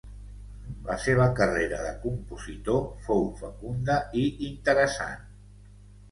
La seva carrera de compositor fou fecunda i interessant.